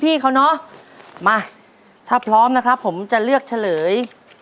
พี่เขาเนอะมาถ้าพร้อมนะครับผมจะเลือกเฉลย